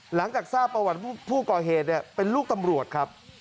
หลังจากทราบประวัติผู้ก่อเหตุเป็นลูกตำรวจครับ